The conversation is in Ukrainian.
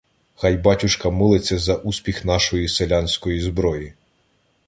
Хай батюшка молиться за успіх нашої селянської зброї.